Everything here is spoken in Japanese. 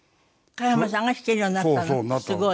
加山さんが弾けるようになったの？